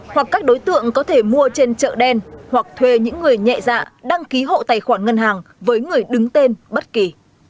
hoặc các đối tượng có thể mua trên chợ đen hoặc thuê những người nhẹ dạ đăng ký hộ tài khoản ngân hàng với người đứng tên bất kỳ